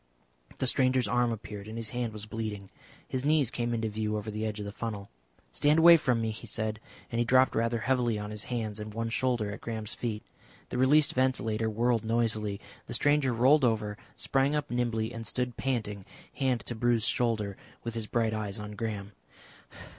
The stranger's arm appeared, and his hand was bleeding. His knees came into view over the edge of the funnel. "Stand away from me," he said, and he dropped rather heavily on his hands and one shoulder at Graham's feet. The released ventilator whirled noisily. The stranger rolled over, sprang up nimbly and stood panting, hand to a bruised shoulder, and with his bright eyes on Graham.